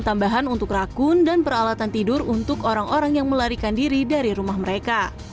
tambahan untuk rakun dan peralatan tidur untuk orang orang yang melarikan diri dari rumah mereka